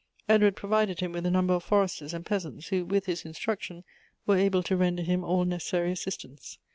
Edward pro vided him with a number of forestei s and peasants, who, with his instruction, were able to render him all necessary assistance.